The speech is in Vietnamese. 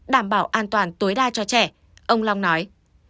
đảm bảo an toàn tối đa cho trẻ ông long nói